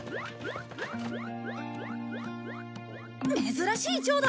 珍しいチョウだ。